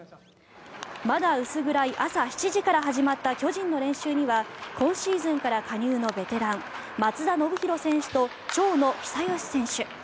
まだ薄暗い朝７時から始まった巨人の練習には今シーズンから加入のベテラン松田宣浩選手と長野久義選手。